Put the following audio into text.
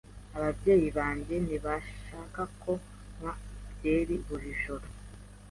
Ababyeyi banjye ntibashaka ko nywa byeri buri joro.